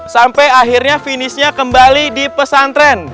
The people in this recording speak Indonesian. sampai akhirnya finishnya kembali di pesantren